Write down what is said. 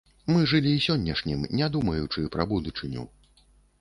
Мы жылі сённяшнім, не думаючы пра будучыню.